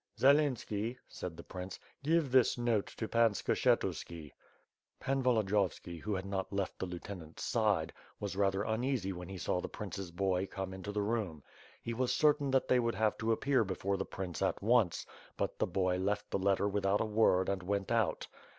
*'Zelinski," said the prince, "give this note to Pan Skshet uski.^' Pan Volodiyovski, who had not left the lieutenant's side, was rather uneasy when he saw the prince's boy come into the room. He was certain that they would have to appear before the prince at once, but the boy left the letter without a word and went out.